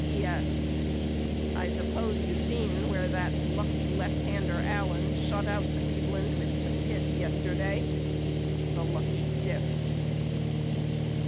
P. S. I suppose you seen where that lucky lefthander Allen shut out Cleveland with two hits yesterday. The lucky stiff.